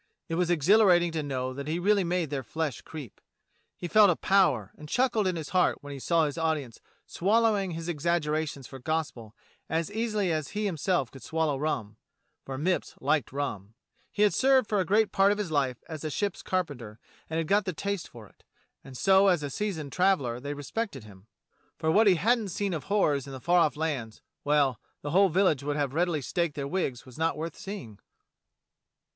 It was exhilarat ing to know that he really made their flesh creep. He felt a power and chuckled in his heart when he saw his audience swallowing his exaggerations for gospel as easily as he himself could swallow rum, for Mipps liked rum — ^he had served for a great part of his life as a ship's carpenter and had got the taste for it — and so as a seasoned traveller they respected him, for what he hadn't seen of horrors in the far off lands — well, the whole village would have readily staked their wigs was not worth seeing.